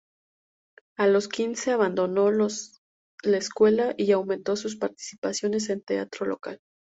A los quince, abandonó la escuela y aumentó sus participaciones en teatro local.